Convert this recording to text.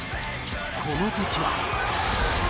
この時は。